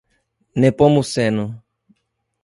Nepomuceno